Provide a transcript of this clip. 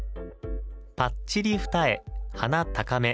ぱっちり二重、鼻高め。